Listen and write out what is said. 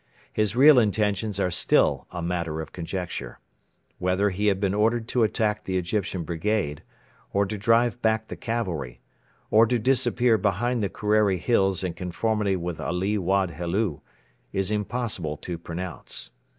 His real intentions are still a matter of conjecture. Whether he had been ordered to attack the Egyptian brigade, or to drive back the cavalry, or to disappear behind the Kerreri Hills in conformity with Ali Wad Helu, is impossible to pronounce.